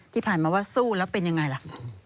ที่ผ่านมาว่าสู้แล้วเป็นยังไงล่ะ